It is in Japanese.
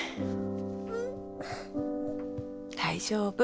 大丈夫。